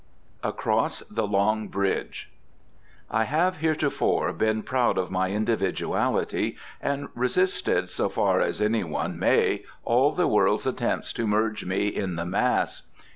ACROSS THE LONG BRIDGE. I have heretofore been proud of my individuality, and resisted, so far as one may, all the world's attempts to merge me in the mass.